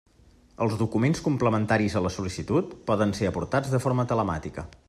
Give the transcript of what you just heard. Els documents complementaris a la sol·licitud poden ser aportats de forma telemàtica.